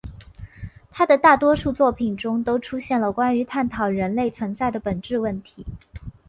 他的大多数作品中都出现了关于探讨人类存在的本质问题。